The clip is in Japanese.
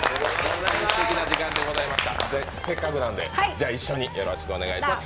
せっかくなんで一緒によろしくお願いします。